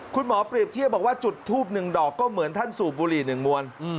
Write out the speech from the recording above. คุณหมอปรีบเที่ยบอกว่าจุดทูปหนึ่งดอกก็เหมือนท่านสูบบุหรี่หนึ่งมวน